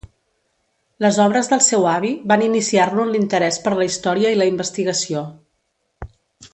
Les obres del seu avi van iniciar-lo en l'interès per la història i la investigació.